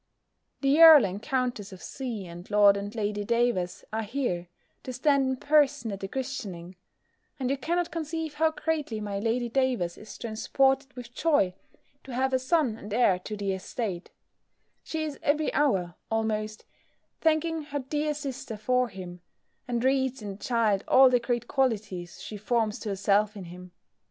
The Earl and Countess of C. and Lord and Lady Davers, are here, to stand in person at the christening; and you cannot conceive how greatly my Lady Davers is transported with joy, to have a son and heir to the estate: she is every hour, almost, thanking her dear sister for him; and reads in the child all the great qualities she forms to herself in him.